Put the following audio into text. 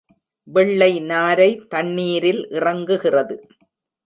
வெள்ளை நாரை தண்ணீரில் இறங்குகிறது.